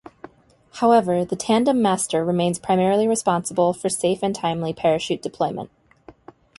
However, the tandem master remains primarily responsible for safe and timely parachute deployment.